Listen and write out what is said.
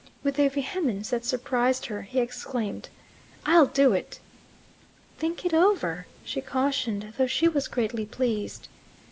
With a vehemence that surprised her, he exclaimed, "I'll do it." "Think it over," she cautioned, though she was greatly pleased.